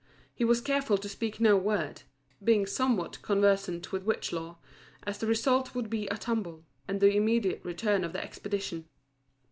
He was careful to speak no word (being somewhat conversant with witch lore), as the result would be a tumble, and the immediate return of the expedition.